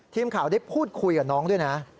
ทีมข่าวได้พูดคุยกับน้องด้วยนะ